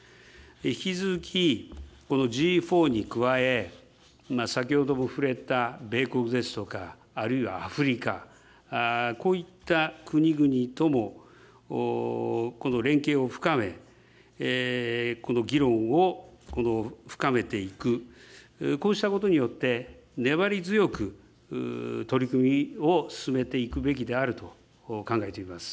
引き続きこのＧ４に加え、先ほども触れた米国ですとかあるいはアフリカ、こういった国々とも連携を深め、議論を深めていく、こうしたことによって、粘り強く取り組みを進めていくべきであると考えています。